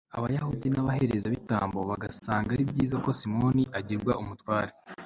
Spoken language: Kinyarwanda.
abayahudin'abaherezabitambo bagasanga ari byiza ko simoni agirwa umutware